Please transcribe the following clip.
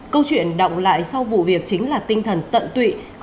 câu chuyện động lại sau vụ việc chính là tinh thần tận tụy